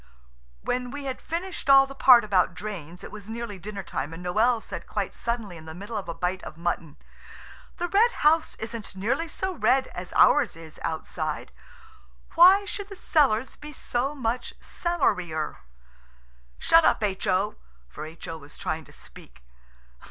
When we had finished all the part about drains it was nearly dinner time, and Noël said quite suddenly in the middle of a bite of mutton– "The Red House isn't nearly so red as ours is outside. Why should the cellars be so much cellarier? Shut up H.O!" For H.O. was trying to speak.